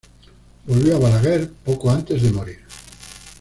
Volvió a Balaguer poco antes de morir.